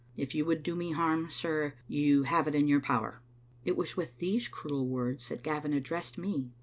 If you would do me harm, sir, you have it in your power. " It was with these cruel words that Gavin addressed me.